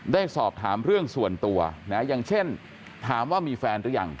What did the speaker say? ได้สอบถามเรื่องส่วนตัวนะอย่างเช่นถามว่ามีแฟนหรือยัง